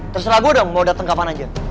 terserah gue dong mau dateng kapan aja